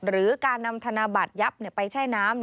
หรือการนำธนบัตรยับไปแช่น้ำ